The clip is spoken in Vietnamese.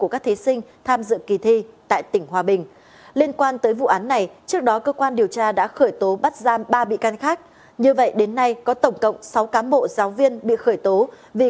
các bị can bị khởi tố cùng về tội